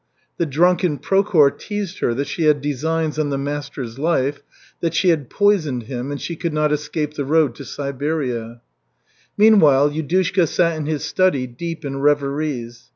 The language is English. The drunken Prokhor teased her that she had designs on the master's life, that she had poisoned him and she could not escape the road to Siberia. Meanwhile, Yudushka sat in his study, deep in reveries.